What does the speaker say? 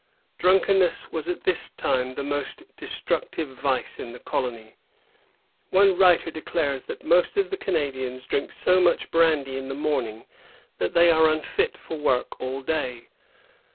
"^ Drunkenness was at this time the most destructive vice in the colony. One writer declares that most of the Canadians drink so much brandy in the morn ing that they are imfit for work all day.